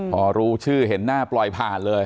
พอรู้ชื่อเห็นหน้าปล่อยผ่านเลย